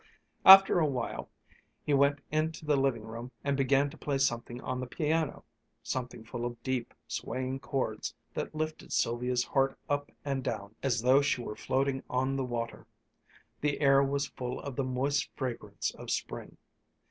After a while he went into the living room and began to play something on the piano, something full of deep, swaying chords that lifted Sylvia's heart up and down as though she were floating on the water. The air was full of the moist fragrance of spring.